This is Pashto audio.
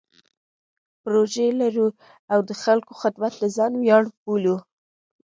پروژې لرو او د خلکو خدمت د ځان ویاړ بولو.